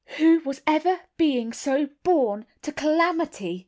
"Who was ever being so born to calamity?"